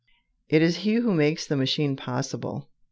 It is he who makes the machine possible.